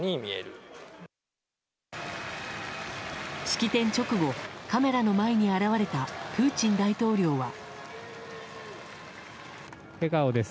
式典直後、カメラの前に現れたプーチン大統領は。